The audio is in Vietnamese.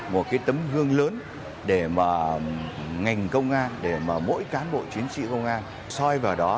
một cái tấm gương lớn để mà ngành công an để mà mỗi cán bộ chiến sĩ công an soi vào đó